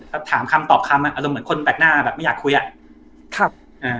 ก็ถามคำตอบคำอ่ะอารมณ์เหมือนคนแปลกหน้าแบบไม่อยากคุยอ่ะครับอ่า